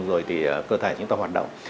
rồi thì cơ thể chúng ta hoạt động